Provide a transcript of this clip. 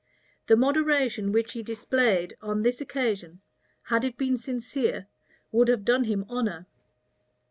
The moderation which he displayed on this occasion, had it been sincere, would have done him honor.